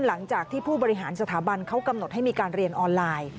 หลังจากที่ผู้บริหารสถาบันเขากำหนดให้มีการเรียนออนไลน์